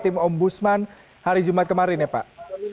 tim om busman hari jumat kemarin ya pak